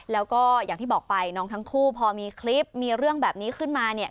แล้วก็อย่างที่บอกไปน้องทั้งคู่พอมีคลิปมีเรื่องแบบนี้ขึ้นมาเนี่ย